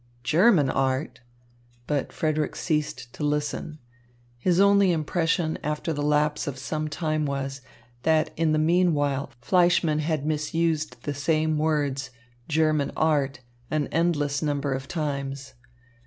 German art " But Frederick ceased to listen. His only impression after the lapse of some time was, that in the meanwhile Fleischmann had misused the same words, "German art," an endless number of times.